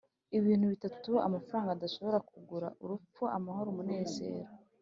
Ibintu bitatu amafaranga adashobora kugura urupfu, amahoro, umunezero